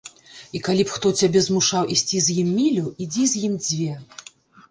І калі б хто цябе змушаў ісці з ім мілю, ідзі з ім дзве.